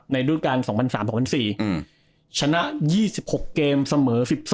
รูปการ๒๐๐๓๒๐๐๔ชนะ๒๖เกมเสมอ๑๒